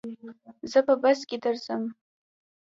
زه په بس کي درځم.